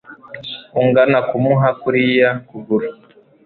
Ungana kumuha kuriya kuguru